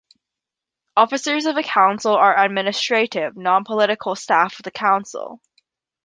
Officers of a council are administrative, non-political staff of the council.